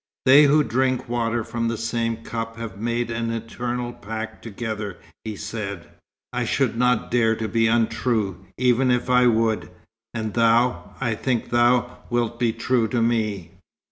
"They who drink water from the same cup have made an eternal pact together," he said. "I should not dare to be untrue, even if I would. And thou I think that thou wilt be true to me."